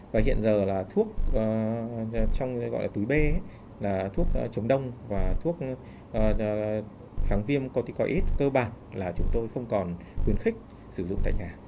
và hiện giờ là thuốc trong gọi là túi bê là thuốc chống đông và thuốc kháng viêm corticoid tơ bản là chúng tôi không còn khuyến khích sử dụng tại nhà